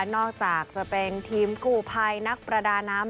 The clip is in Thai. นอกจากจะเป็นทีมกู้ภัยนักประดาน้ำ